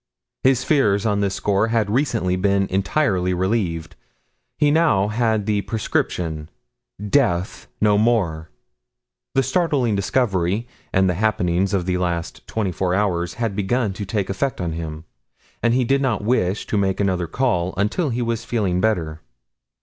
His fears on this score had recently been entirely relieved. He now had the prescription Death no more! The startling discovery, and the happenings of the last twenty four hours had begun to take effect on him, and he did not wish to make another call until he was feeling better.